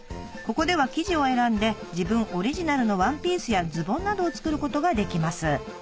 ここでは生地を選んで自分オリジナルのワンピースやズボンなどを作ることができます